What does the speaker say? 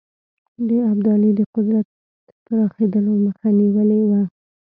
د ابدالي د قدرت پراخېدلو مخه نیولې وه.